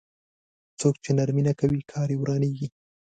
څوک چې نرمي نه کوي کار يې ورانېږي.